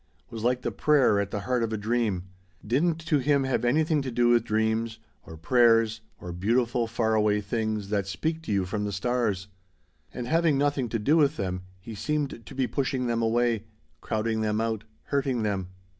was like the prayer at the heart of a dream didn't, to him, have anything to do with dreams, or prayers, or beautiful, far away things that speak to you from the stars. "And having nothing to do with them, he seemed to be pushing them away, crowding them out, hurting them.